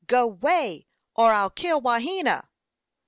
"Go 'way, or I'll kill Wahena."